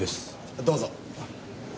どうぞ。